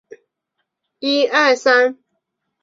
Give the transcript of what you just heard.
须藤良太是千明和义的青梅竹马。